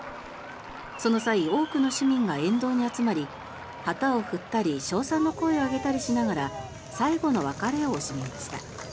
その際、多くの市民が沿道に集まり旗を振ったり称賛の声を上げたりしながら最後の別れを惜しみました。